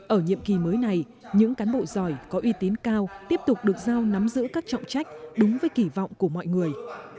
ở nhiệm kỳ mới này những cán bộ giỏi có uy tín cao tiếp tục được giao nắm giữ các trọng trách đúng với kỳ vọng của mọi người